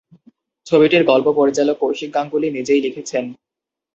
ছবিটির গল্প পরিচালক কৌশিক গাঙ্গুলি নিজেই লিখেছেন।